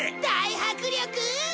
大迫力！